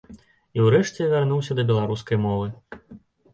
І ўрэшце я вярнуўся да беларускай мовы.